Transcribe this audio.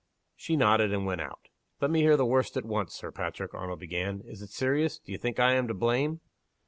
She nodded, and went out. "Let me hear the worst at once, Sir Patrick," Arnold began. "Is it serious? Do you think I am to blame?"